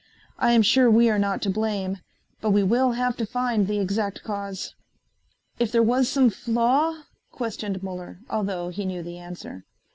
I am sure we are not to blame, but we will have to find the exact cause." "If there was some flaw?" questioned Muller, although he knew the answer.